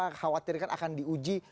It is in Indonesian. khawatirkan akan diuji